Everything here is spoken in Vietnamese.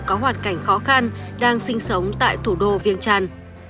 có hoạt cảnh khó khăn đang sinh sống tại thủ đô viên trăn